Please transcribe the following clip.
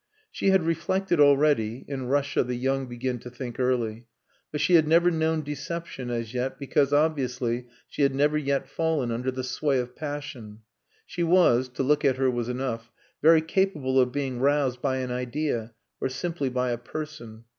She had reflected already (in Russia the young begin to think early), but she had never known deception as yet because obviously she had never yet fallen under the sway of passion. She was to look at her was enough very capable of being roused by an idea or simply by a person.